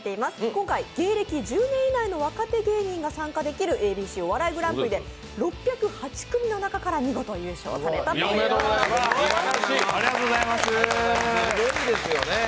今回、芸歴１０年以内の若手芸人が参加できる「ＡＢＣお笑いグランプリ」で見事優勝されたということです。